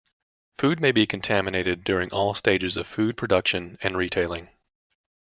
Food may be contaminated during all stages of food production and retailing.